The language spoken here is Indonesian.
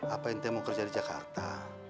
apa ente mau kerja di jakarta